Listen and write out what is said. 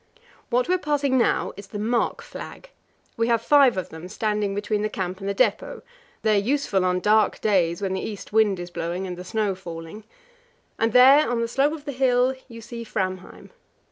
"What we are passing now is the mark flag. We have five of them standing between the camp and the depot; they are useful on dark days, when the east wind is blowing and the snow falling. And there on the slope of the hill you see Framheim.